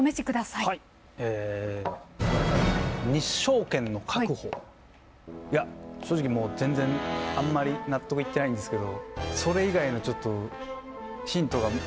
いや正直もう全然あんまり納得いってないんですけどそれ以外のちょっとヒントが見えなかったんで。